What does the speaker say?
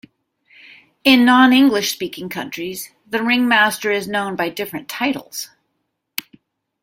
In non-English speaking countries the ring master is known by different titles.